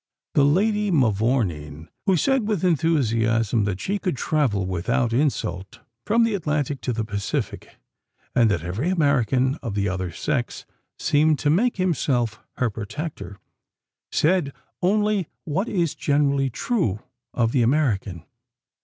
The Lady Mavourneen who said with enthusiasm that she could travel without insult from the Atlantic to the Pacific, and that every American of the other sex seemed to make himself her protector, said only what is generally true of the American.